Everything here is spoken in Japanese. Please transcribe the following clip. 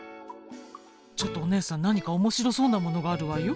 ちょっとお姉さん何か面白そうなものがあるわよ。